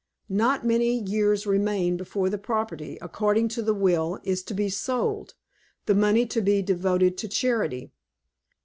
Not many years remain before the property, according to the will, is to be sold, the money to be devoted to charity.